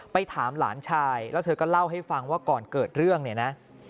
ถามหลานชายแล้วเธอก็เล่าให้ฟังว่าก่อนเกิดเรื่องเนี่ยนะ